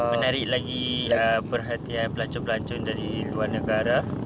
menarik lagi perhatian pelancong pelancong dari luar negara